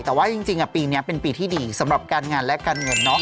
แต่ว่าจริงปีนี้เป็นปีที่ดีสำหรับการงานและการเงินเนาะ